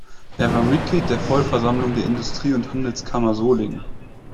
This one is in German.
Er war Mitglied der Vollversammlung der Industrie- und Handelskammer Solingen.